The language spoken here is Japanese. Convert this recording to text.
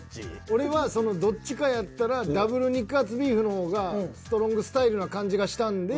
俺はどっちかやったらダブル肉厚ビーフの方がストロングスタイルな感じがしたんで。